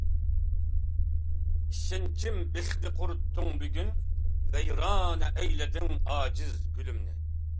ئىشەنچىم بىخىنى قۇرۇتتۇڭ بۈگۈن، ۋەيرانە ئەيلىدىڭ ئاجىز گۈلۈمنى.